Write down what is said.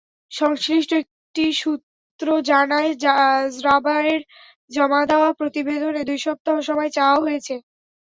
সংশ্লিষ্ট একটি সূত্র জানায়, র্যাবের জমা দেওয়া প্রতিবেদনে দুই সপ্তাহ সময় চাওয়া হয়েছে।